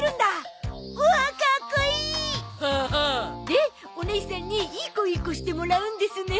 でおねいさんにいい子いい子してもらうんですね。